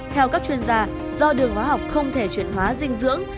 theo các chuyên gia do đường hóa học không thể chuyển hóa dinh dưỡng